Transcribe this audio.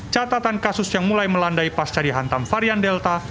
catatan kasus yang mulai melandai pasca dihantam varian delta